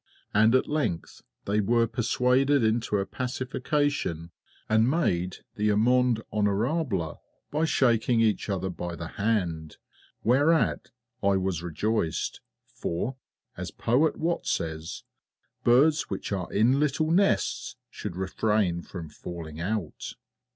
And at length they were persuaded into a pacification, and made the amende honorable by shaking each other by the hand, whereat I was rejoiced, for, as Poet WATT says, "Birds which are in little nests should refrain from falling out."